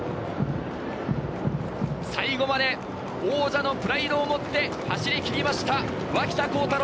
最後まで王者のプライドを持って走りきりました、脇田幸太朗。